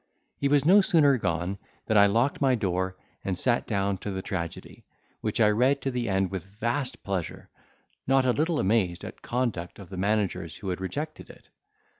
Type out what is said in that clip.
He was no sooner gone than I locked my door, and sat down to the tragedy; which I read to the end with vast pleasure, not a little amazed at conduct of the managers who had rejected it.